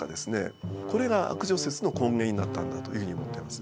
これが悪女説の根源になったんだというふうに思ってます。